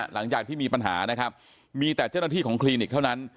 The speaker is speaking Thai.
หลังจากที่มีปัญหานะครับมีแต่เจ้าหน้าที่ของคลินิกเท่านั้น